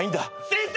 先生！